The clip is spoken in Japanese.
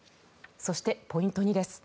そして、ポイント２です。